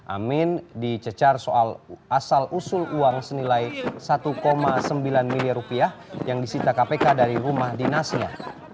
amin dicecar soal asal usul uang senilai satu sembilan miliar rupiah yang disita kpk dari rumah dinasnya